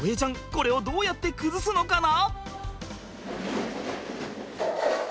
これをどうやって崩すのかな？